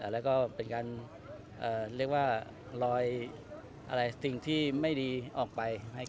แล้วก็เป็นการเรียกว่าลอยสิ่งที่ไม่ดีออกไป